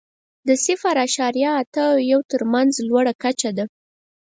د صفر اعشاریه اته او یو تر مینځ لوړه کچه ده.